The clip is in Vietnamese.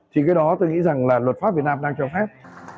thì cái đó tôi nghĩ rằng là luật pháp việt nam đang cho phép